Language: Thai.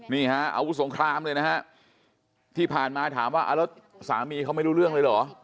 นี่ฮะอาวุธสงครามเลยนะฮะที่ผ่านมาถามว่าเอาแล้วสามีเขาไม่รู้เรื่องเลยเหรอ